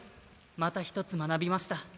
また一つ学びました。